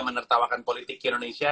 menertawakan politik indonesia